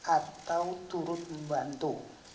atau turut membantu